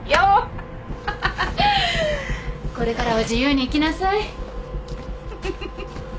これからは自由に生きなさい。